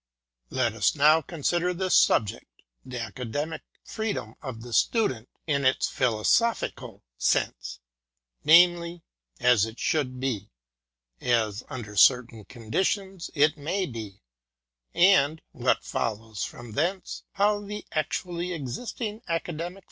Let us now consider this subject the Academic Freedom of the Student in its philosophical sense; i. e. as it should be, as, under certain conditions it may be, and (what follows from thence) how the actually existing Academic OF ACADEMICAL FREEDOM.